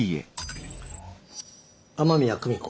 雨宮久美子